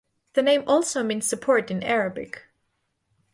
The name also means 'support' in Arabic.